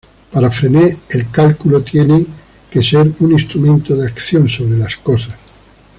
Para Freinet, el cálculo tiene que ser un instrumento de acción sobre las cosas.